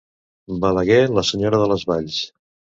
Balaguer, la senyora de les valls.